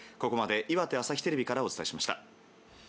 ここまで岩手朝日テレビからお伝えしました。